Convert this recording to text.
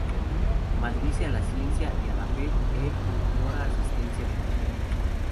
Maldice a la ciencia y a la fe, e implora asistencia del infierno.